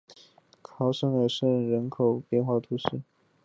考尔什圣尼科拉人口变化图示